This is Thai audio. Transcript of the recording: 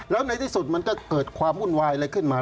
แล้วในที่สุดมันก็เกิดความวุ่นวายอะไรขึ้นมา